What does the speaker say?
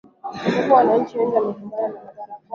ambapo wananchi wengi wamekumbana na madhara kwani